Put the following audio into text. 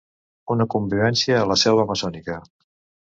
Una convivència a la selva amazònica.